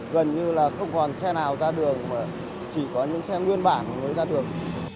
gần như là không còn xe nào ra đường mà chỉ có những xe nguyên bản mới ra đường